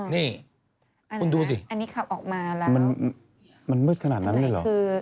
นี่คุณดูสิมันมืดขนาดนั้นเลยเหรอ